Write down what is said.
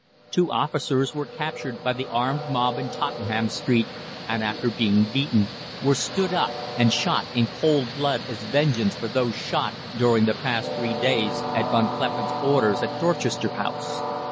"Two officers were captured by the armed mob in Tottenham Street and, after being beaten, were stood up and shot in cold blood as vengeance for those shot during the past three days at Von Kleppen's orders at Dorchester House.